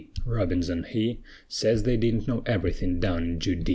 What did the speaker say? Robinson he Sez they didn't know everythin' down in Judee.